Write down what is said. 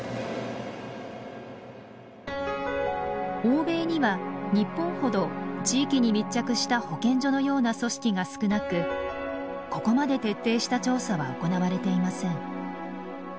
欧米には日本ほど地域に密着した保健所のような組織が少なくここまで徹底した調査は行われていません。